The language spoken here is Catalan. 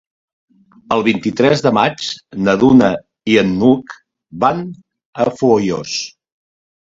El vint-i-tres de maig na Duna i n'Hug van a Foios.